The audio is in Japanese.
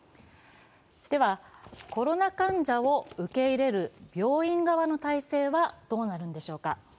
では、コロナ患者を受け入れる病院側の体制はどうなるのでしょうか。